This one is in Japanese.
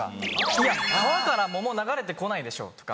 いや川から桃流れて来ないでしょとか。